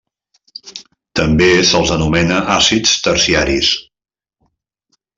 També se'ls anomena àcids terciaris.